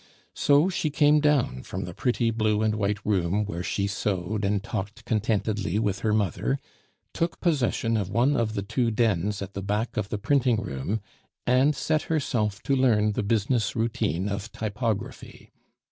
So she came down from the pretty blue and white room, where she sewed and talked contentedly with her mother, took possession of one of the two dens at the back of the printing room, and set herself to learn the business routine of typography.